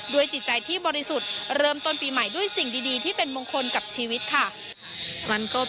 จิตใจที่บริสุทธิ์เริ่มต้นปีใหม่ด้วยสิ่งดีที่เป็นมงคลกับชีวิตค่ะ